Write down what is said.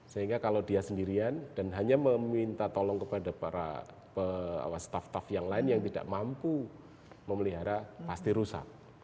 sehingga kalau dia sendirian dan hanya meminta tolong kepada para pengawas staff staf yang lain yang tidak mampu memelihara pasti rusak